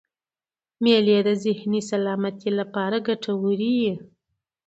مېلې د ذهني سلامتۍ له پاره ګټوري يي.